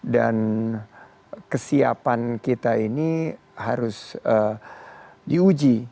dan kesiapan kita ini harus diuji